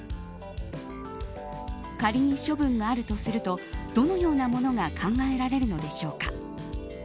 仮に処分があるとするとどのようなものが考えられるのでしょうか。